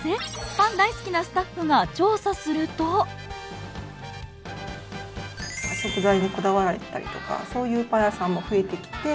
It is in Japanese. パン大好きなスタッフが調査すると食材にこだわったりとかそういうパン屋さんも増えてきて。